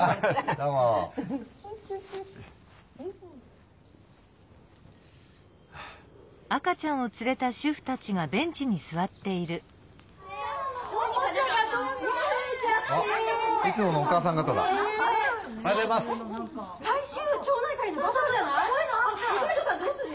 どうする？